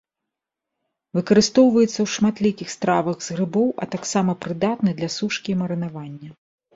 Выкарыстоўваецца ў шматлікіх стравах з грыбоў, а таксама прыдатны для сушкі і марынавання.